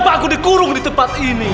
pak aku dikurung di tempat ini